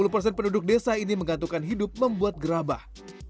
lima puluh persen penduduk desa ini menggantungkan hidup membuat gerabah